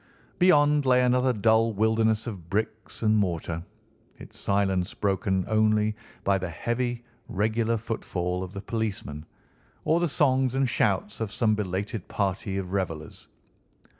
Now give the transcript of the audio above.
Beyond lay another dull wilderness of bricks and mortar, its silence broken only by the heavy, regular footfall of the policeman, or the songs and shouts of some belated party of revellers.